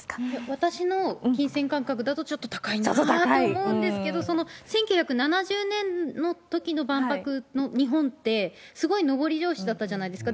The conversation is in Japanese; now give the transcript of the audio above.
私の金銭感覚だと、ちょっと高いなと。と思うんですけれども、１９７０年のときの万博の日本って、すごい上り調子だったじゃないですか。